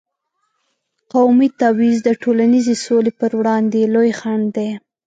قومي تبعیض د ټولنیزې سولې پر وړاندې لوی خنډ دی.